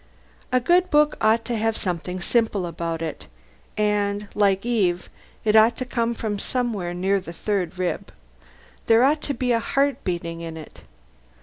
A good book ought to have something simple about it. And, like Eve, it ought to come from somewhere near the third rib: there ought to be a heart beating in it.